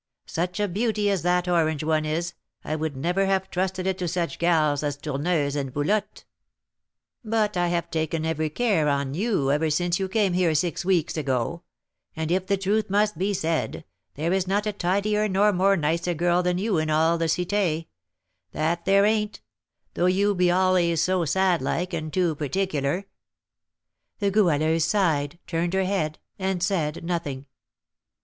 Such a beauty as that orange one is, I would never have trusted it to such gals as Tourneuse and Boulotte; but I have taken every care on you ever since you came here six weeks ago; and, if the truth must be said, there is not a tidier nor more nicer girl than you in all the Cité; that there ain't; though you be al'ays so sad like, and too particular." The Goualeuse sighed, turned her head, and said nothing.